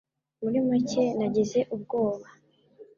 Muri make, nagize ubwoba.